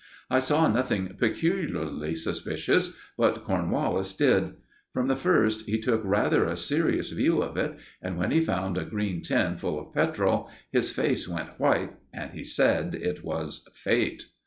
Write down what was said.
I saw nothing peculiarly suspicious, but Cornwallis did. From the first he took rather a serious view of it, and when he found a green tin full of petrol, his face went white, and he said it was Fate.